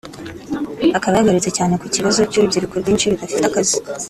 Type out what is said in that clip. akaba yagarutse cyane ku kibazo cy’urubyiruko rwinshi rudafite akazi